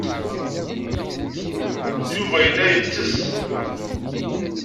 Yuba yella yettess.